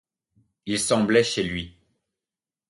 Il semblait chez lui.